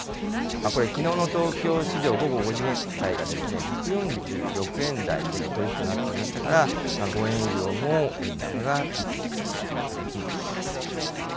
これ、きのうの東京市場、午後５時現在が１４６円台での取り引きとなっていましたから、５円以上も円高が一気に進んでいるという形になっています。